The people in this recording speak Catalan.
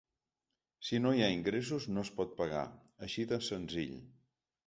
Si no hi ha ingressos, no es pot pagar, així de senzill.